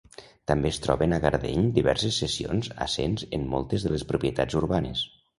També es troben a Gardeny diverses cessions a cens en moltes de les propietats urbanes.